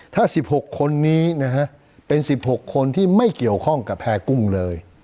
ถ้า๑๖คนนี้นะฮะเป็น๑๖คนที่ไม่เกี่ยวข้องกับแพร่กุ้งเลย